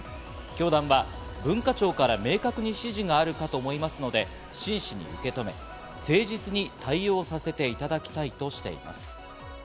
教団は文化庁から明確に指示があるかと思いますので、真摯に受け止め、誠実に対応させていただきたいとしています。